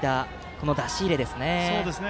この出し入れですね。